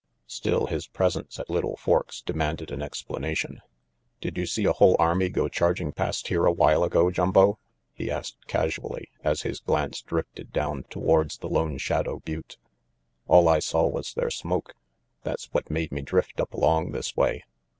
Still, his pres ence at Little Forks demanded an explanation. "Did you see a whole army go charging past here a while ago, Jumbo?" he asked casually, as his glance drifted down towards the Lone Shadow butte. "All I saw was their smoke. That's what made me drift up along this way.